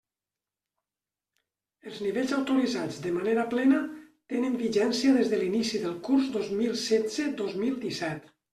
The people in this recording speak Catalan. Els nivells autoritzats de manera plena tenen vigència des de l'inici del curs dos mil setze-dos mil disset.